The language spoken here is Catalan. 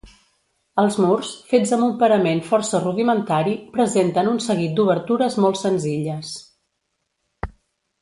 Els murs, fets amb un parament força rudimentari, presenten un seguit d'obertures molt senzilles.